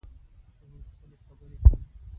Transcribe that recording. هغوی خپلې خبرې کوي